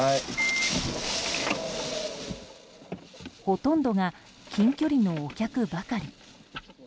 ほとんどが近距離のお客ばかり。